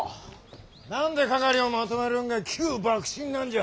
何で掛をまとめるんが旧幕臣なんじゃ。